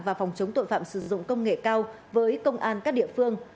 và phòng chống tội phạm sử dụng công nghệ cao với công an các địa phương